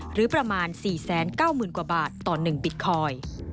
หรือประมาณ๔๙๐๐๐กว่าบาทต่อ๑บิตคอยน์